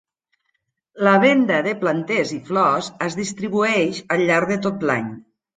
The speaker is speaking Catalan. La venda de planters i flors es distribueix al llarg de tot l'any.